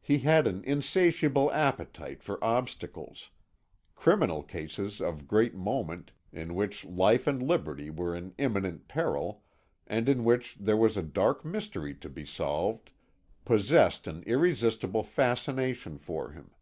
He had an insatiable appetite for obstacles; criminal cases of great moment, in which life and liberty were in imminent peril, and in which there was a dark mystery to be solved, possessed an irresistible fascination for him.